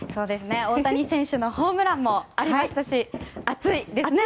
大谷選手のホームランもありましたし熱いですね。